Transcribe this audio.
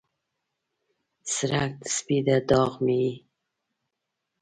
څرک د سپیده داغ مې یې